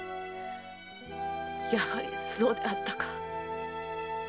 やはりそうであったか。